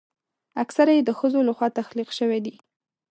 اکثره یې د ښځو لخوا تخلیق شوي دي.